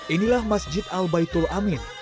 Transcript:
inilah masjid al baitul amin